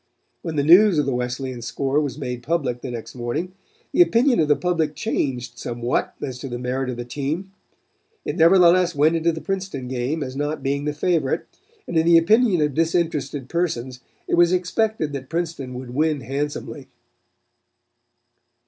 When the news of the Wesleyan score was made public the next morning, the opinion of the public changed somewhat as to the merit of the team. It nevertheless went into the Princeton game as not being the favorite and in the opinion of disinterested persons it was expected that Princeton would win handsomely."